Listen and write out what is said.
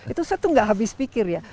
itu saya tuh gak habis pikir ya